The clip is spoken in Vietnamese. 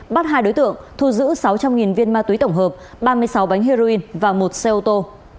bắt hai đối tượng thu giữ sáu trăm linh viên ma túy tổng hợp ba mươi sáu bánh heroin và một xe ô tô